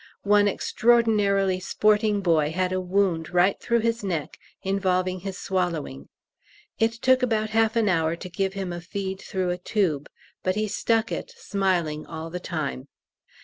One extraordinarily sporting boy had a wound right through his neck, involving his swallowing. It took about half an hour to give him a feed, through a tube, but he stuck it, smiling all the time.